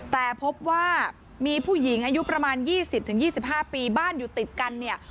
แต่พบว่ามีผู้หญิงอายุประมาณ๒๐๒๕ปีบ้านอยู่ติดกันเนี่ย